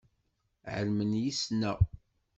Ԑelmen yess-neɣ?